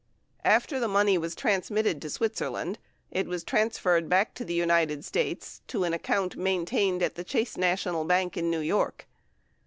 12 After the money was transmit ted to Switzerland, it was transferred back to the United States to an account maintained at the Chase National Bank in New York.